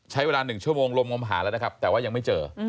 ใช้เวลา๑ชั่วโมงลมงมหาแล้วนะครับแต่ว่ายังไม่เจอ